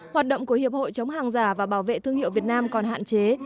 hoạt động của hiệp hội chống hàng giả và bảo vệ thương hiệu việt nam còn hạn chế